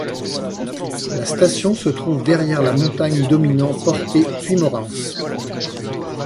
La station se trouve derrière la montagne dominant Porté-Puymorens.